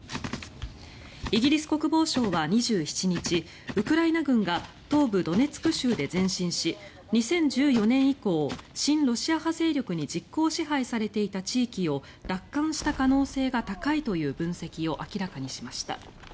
イギリス国防省は２７日ウクライナ軍が東部ドネツク州で前進し２０１４年以降親ロシア派勢力に実効支配されていた地域を奪還した可能性が高いという分析を明らかにしました。